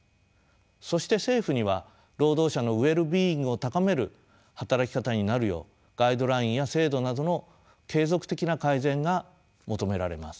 そして政府には労働者のウェルビーイングを高める働き方になるようガイドラインや制度などの継続的な改善が求められます。